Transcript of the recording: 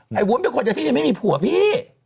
เธอก็จะไม่มีผัวพี่